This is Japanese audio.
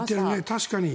確かに。